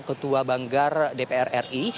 ketua banggar dpr ri